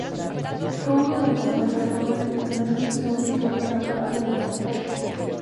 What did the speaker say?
Fue uno de los organizadores del primer museo de historia natural de Moscú.